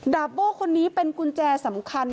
โบ้คนนี้เป็นกุญแจสำคัญ